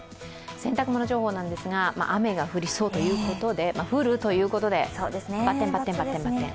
洗濯物情報なんですが、雨が降りそうということで、降るということで、バッテン、バッテン、バッテン、バッテン。